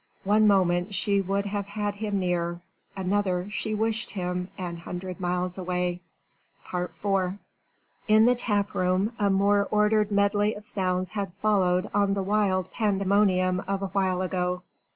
One moment she would have had him near another she wished him an hundred miles away. IV In the tap room a more ordered medley of sounds had followed on the wild pandemonium of awhile ago.